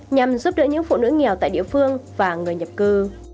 nhằm giúp đỡ những phụ nữ nghèo tại địa phương và người nhập cư